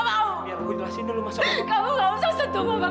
sampai jumpa di video selanjutnya